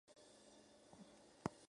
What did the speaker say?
Lo mismo ocurrió en los restantes países.